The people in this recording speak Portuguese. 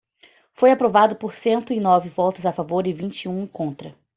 Foi aprovado por cento e nove votos a favor e vinte e um contra.